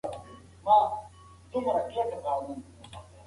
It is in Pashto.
هغې خپلې ګوتې پر هغو کالیو تېرې کړې چې بېګا پر بالکن هوار وو.